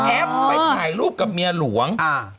ไปถ่ายรูปกับเมียหลวง